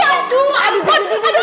aduh aduh aduh aduh